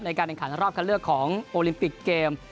การแข่งขันรอบคันเลือกของโอลิมปิกเกม